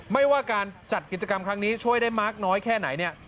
ไม่ว่าการจัดกิจกรรมครั้งนี้ช่วยได้มากน้อยแค่ไหนเนี่ย